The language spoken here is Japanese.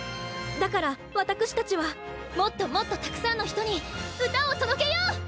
だからわたくしたちはもっともっとたくさんの人に歌を届けよう！